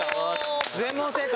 全問正解！